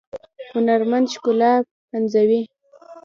هنرمند ښکلا پنځوي